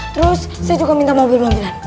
terus saya juga minta mobil mobilan